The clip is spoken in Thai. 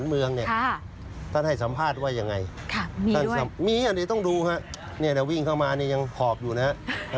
มีอันนี้ต้องดูครับนี่เดี๋ยววิ่งเข้ามานี่ยังขอบอยู่นะครับ